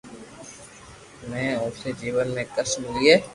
نھ اوسي جيون ۾ ڪسٽ ملئي